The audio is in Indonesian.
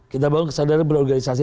kita baru kesadaran berorganisasi